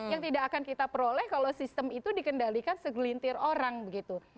yang tidak akan kita peroleh kalau sistem itu dikendalikan segelintir orang begitu